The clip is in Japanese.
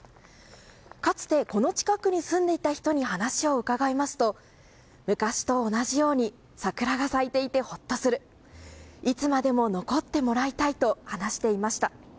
かつてこの近くに住んでいた人に話を伺いますと昔と同じように桜が咲いていてほっとするいつまでも残ってもらいたいと話していました。